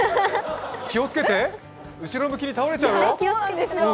気をつけて、後ろ向きに倒れちゃうよ。